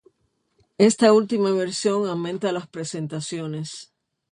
Esta última versión aumenta las prestaciones.